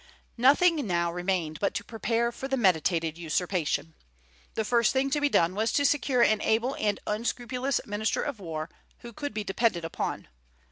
Nothing now remained but to prepare for the meditated usurpation. The first thing to be done was to secure an able and unscrupulous minister of war, who could be depended upon.